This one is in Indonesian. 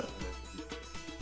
jadi saat iftar